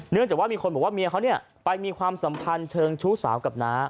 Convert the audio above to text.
จากว่ามีคนบอกว่าเมียเขาเนี่ยไปมีความสัมพันธ์เชิงชู้สาวกับน้า